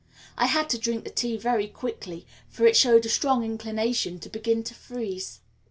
I had to drink the tea very quickly, for it showed a strong inclination to begin to freeze.